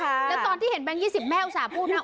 แล้วตอนที่เห็นแบงค์๒๐แม่อุตส่าห์พูดนะ